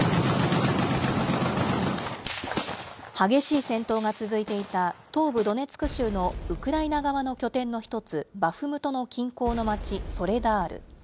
激しい戦闘が続いていた東部ドネツク州のウクライナ側の拠点の一つ、バフムトの近郊の町、ソレダール。